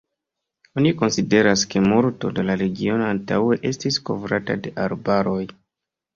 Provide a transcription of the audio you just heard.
Oni konsideras ke multo de la regiono antaŭe estis kovrata de arbaroj.